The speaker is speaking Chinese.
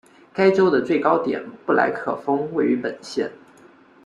该州的最高点布莱克峰位于本县。